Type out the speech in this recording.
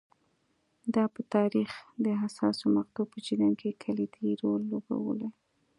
دا په تاریخ د حساسو مقطعو په جریان کې کلیدي رول لوبولی